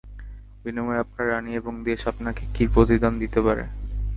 বিনিময়ে আপনার রানি এবং দেশ আপনাকে কী প্রতিদান দিতে পারে?